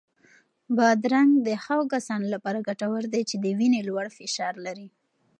بادرنګ د هغو کسانو لپاره ګټور دی چې د وینې لوړ فشار لري.